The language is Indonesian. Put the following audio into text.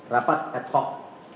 rapat ad hoc